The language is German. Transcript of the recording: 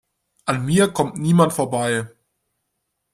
An mir kommt niemand vorbei!